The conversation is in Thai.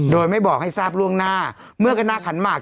โดยไม่บอกให้ทราบล่วงหน้าเมื่อคณะขันหมาก